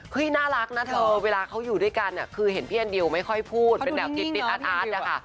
น่ารักนะเธอเวลาเขาอยู่ด้วยกันคือเห็นพี่แอนดิวไม่ค่อยพูดเป็นแบบติ๊ดอาร์ตนะคะ